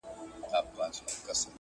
تېرېدل د سلطان مخي ته پوځونه،